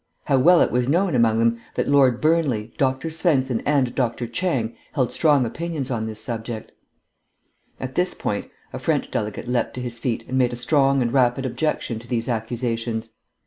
How well it was known among them that Lord Burnley, Dr. Svensen, and Dr. Chang held strong opinions on this subject.... At this point a French delegate leaped to his feet and made strong and rapid objection to these accusations.